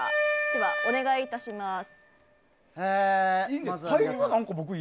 では、お願い致します。